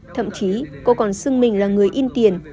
thậm chí cô còn xưng mình là người in tiền